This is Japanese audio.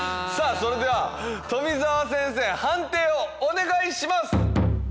それでは富澤先生判定をお願いします！